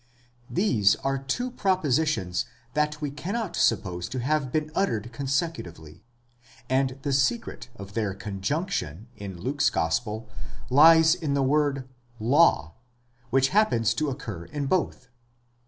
These are two propositions that we cannot suppose to have been uttered con secutively ; and the secret of their conjunction in Luke's gospel lies in the word νόμος, Jaw, which happens to occur in both.!